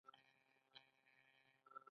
کله کله خپل وطن ته حيرانېږم.